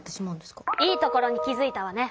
いいところに気づいたわね。